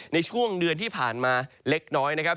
ในช่วงเดือนที่ผ่านมาเล็กน้อยนะครับ